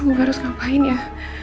gue harus ngapain ya